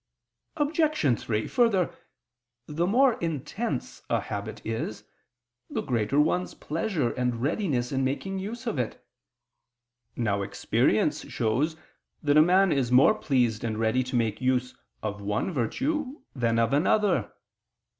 Obj. 3: Further, the more intense a habit is, the greater one's pleasure and readiness in making use of it. Now experience shows that a man is more pleased and ready to make use of one virtue than of another.